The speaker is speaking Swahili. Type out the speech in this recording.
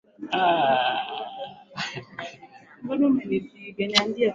viongizi wa makundi rika wawasaidie vijana kupata elimu ya ukimwi